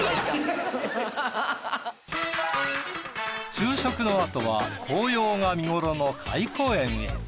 昼食のあとは紅葉が見ごろの懐古園へ。